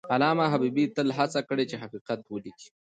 علامه حبیبي تل هڅه کړې چې حقیقت ولیکي.